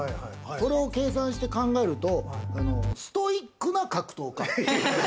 それを計算して考えると、ストイックな格闘家。